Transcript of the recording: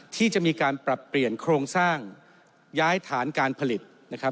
ที่จะมีการปรับเปลี่ยนโครงสร้างย้ายฐานการผลิตนะครับ